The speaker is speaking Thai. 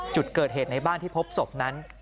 จุดเกิดเหตุในบ้านที่พบศพนั้น